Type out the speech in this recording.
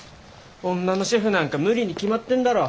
女のシェフなんか無理に決まってんだろ。